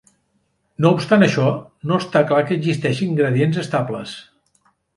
No obstant això, no està clar que existeixin gradients estables.